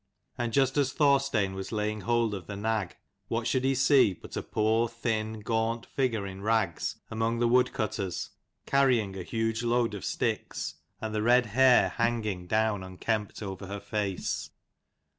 And just as Thorstein was laying hold of the nag, what should he see but a poor, thin, gaunt figure in rags, among the wood cutters, carrying a huge load of sticks, and the red hair hanging 164 down unkempt over her face.